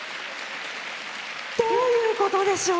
どういうことでしょう。